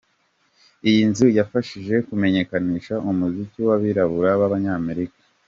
Iyi nzu yafashije kumenyekanisha umuziki w’abirabura b’abanyamerika.